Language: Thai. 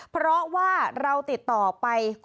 เพราะว่าเราติดต่อไป